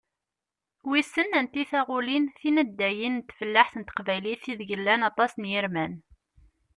Wissen anti taɣulin tinaddayin n tfellaḥt n teqbaylit ideg llan aṭas n yirman?